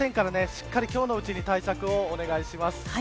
しっかりと今日の内に対策をお願いします。